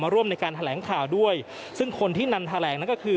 ร่วมในการแถลงข่าวด้วยซึ่งคนที่นำแถลงนั่นก็คือ